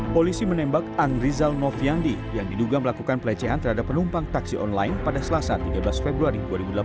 polisi menembak angrizal nofyandi yang diduga melakukan pelecehan terhadap penumpang taksi online pada selasa tiga belas februari dua ribu delapan belas